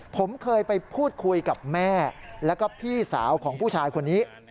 ผมเคยไปพูดคุยกับแม่แล้วก็พี่สาวของผู้ชายคนนี้